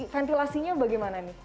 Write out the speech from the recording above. ventilasinya bagaimana nih